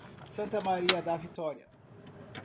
Santa Maria da Vitória